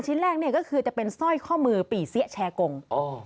ชิ้นแรกก็คือจะเป็นสร้อยข้อมือปี่เสี้ยแชร์กง